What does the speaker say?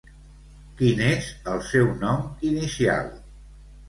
Quin és el seu nom inicial?